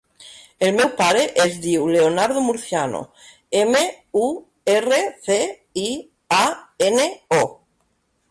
El meu pare es diu Leonardo Murciano: ema, u, erra, ce, i, a, ena, o.